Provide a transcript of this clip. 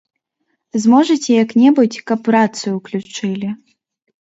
Зможаце як-небудзь, каб рацыю ўключылі?